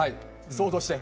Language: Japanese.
想像して。